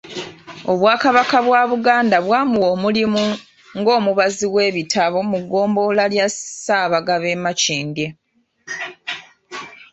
Obwakabaka bwa Buganda bwamuwa omulimu ng'omubazi w’ebitabo mu ggombolola ya Ssaabagabo e Makindye..